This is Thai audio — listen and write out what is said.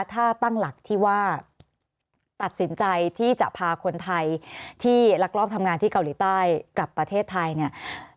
ถ้าตั้งหลักที่ว่าตัดสินใจที่จะพาคนไทยที่ลักลอบทำงานที่เกาหลีใต้กลับประเทศไทยเนี่ย